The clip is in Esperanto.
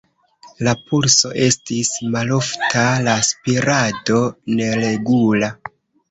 La pulso estis malofta, la spirado neregula.